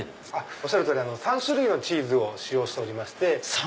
おっしゃる通り３種類のチーズを使用しておりまして。